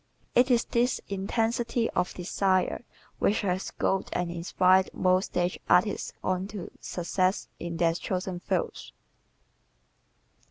It is this intensity of desire which has goaded and inspired most stage artists on to success in their chosen fields.